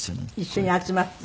一緒に集まって？